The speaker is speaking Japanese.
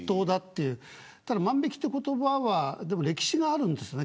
ただ、万引という言葉は歴史があるんですよね。